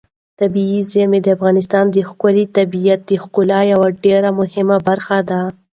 طبیعي زیرمې د افغانستان د ښكلي طبیعت د ښکلا یوه ډېره مهمه برخه ده.